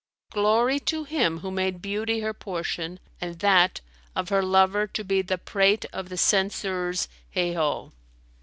Glory to Him who made beauty her portion, and that * Of her lover to be the prate of the censurers, heigho!"